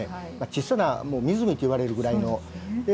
ちっさな湖っていわれるぐらいの。